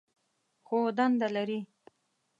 خو دنده لري.